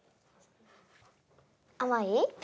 あまい？